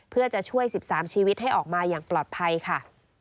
เพื่อจะช่วย๑๓ชีวิตให้ออกมาอย่างปลอดภัยค่ะ